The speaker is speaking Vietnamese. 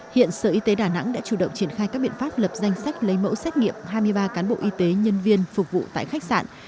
hiện sở y tế đà nẵng đã chủ động triển khai các biện pháp lập danh sách lấy mẫu xét nghiệm hai mươi ba cán bộ y tế nhân viên phục vụ tại khách sạn